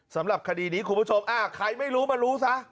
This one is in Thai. สำหรับคดีนี้คุณผู้ชมใครไม่รู้มารู้ซะ